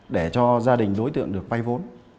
để cho gia đình đối tượng được vây vốn